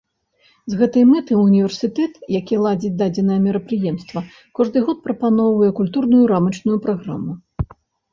З гэтай мэтай універсітэт, які ладзіць дадзенае мерапрыемства, кожны год прапаноўвае культурную рамачную праграму.